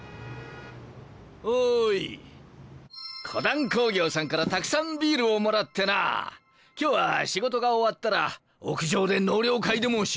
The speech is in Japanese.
おいコダン工業さんからたくさんビールをもらってな今日は仕事が終わったら屋上で納涼会でもしないか？